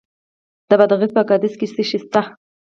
د بادغیس په قادس کې څه شی شته؟